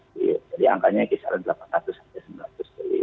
jadi angkanya kisaran rp delapan ratus rp sembilan ratus